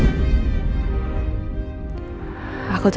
aku tetep harus bales